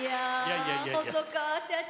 細川社長